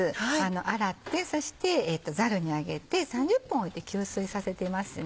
洗ってそしてザルに上げて３０分置いて吸水させてますね。